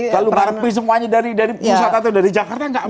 kalau berarti semuanya dari pusat atau dari jakarta tidak mungkin